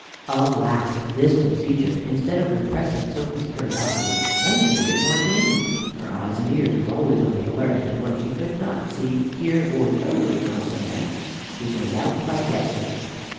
Alas! this procedure, instead of repressing Sophy's curiosity, only made it the more keen; her eyes and ears were always on the alert, and what she could not see, hear, or thoroughly comprehend she made out by guesses.